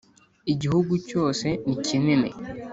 Igihugu cyose nikinini.